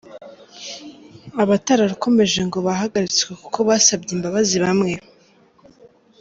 Abatararukomeje ngo bahagaritswe kuko basabye imbabazi bamwe.